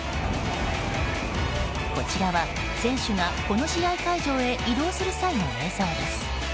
こちらは選手が、この試合会場へ移動する際の映像です。